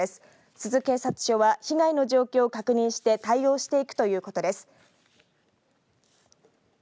珠洲警察署は被害の状況を確認して対応していくということです。